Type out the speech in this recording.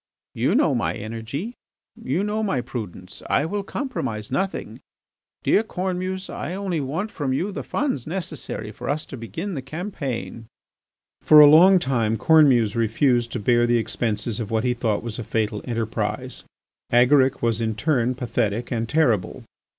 "You know my energy; you know my prudence. I will compromise nothing. ... Dear Cornemuse, I only want from you the funds necessary for us to begin the campaign." For a long time Cornemuse refused to bear the expenses of what he thought was a fatal enterprise. Agaric was in turn pathetic and terrible.